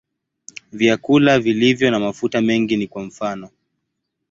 Vyakula vilivyo na mafuta mengi ni kwa mfano.